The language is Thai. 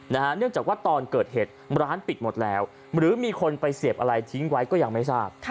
เนื่องจากว่าตอนเกิดเหตุร้านปิดหมดแล้วหรือมีคนไปเสียบอะไรทิ้งไว้ก็ยังไม่ทราบ